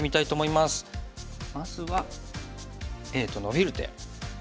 まずはＡとノビる手。